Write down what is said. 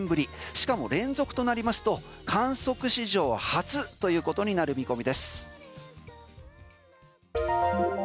しかも連続となりますと観測史上初ということになる見込みです。